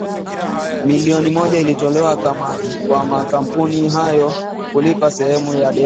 Milioni moja ilitolewa kwa makampuni hayo kulipa sehemu ya deni hilo